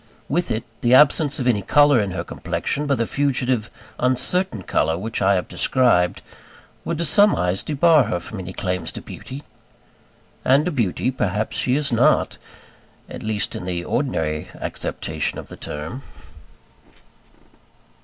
With it, the absence of any colour in her complexion but the fugitive uncertain colour which I have described, would to some eyes debar her from any claims to beauty. And a beauty perhaps she is not at least, in the ordinary acceptation of the term.